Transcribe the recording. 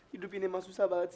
hidup ini memang susah banget sih